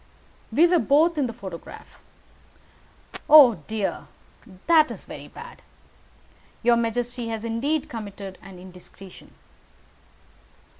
"We were both in the photograph." "Oh, dear! That is very bad. Your majesty has indeed committed an indiscretion."